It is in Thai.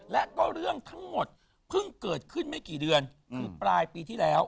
และก็เรื่องทั้งหมดเพิ่งเกิดขึ้นไม่กี่เดือนคือปลายปีที่แล้ว